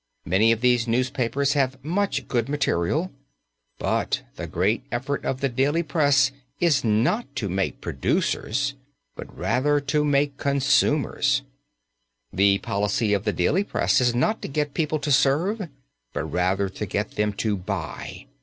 Many of these newspapers have much good material, but the great effort of the daily press is not to make producers, but rather to make consumers. The policy of the daily press is not to get people to serve, but rather to get them to buy.